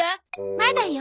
まだよ。